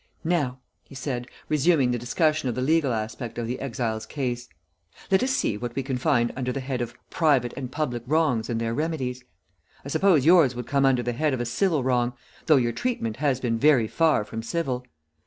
"Now," he said, resuming the discussion of the legal aspect of the exile's case, "let us see what we can find under the head of 'Private and Public Wrongs and their Remedies!' I suppose yours would come under the head of a civil wrong, though your treatment has been very far from civil.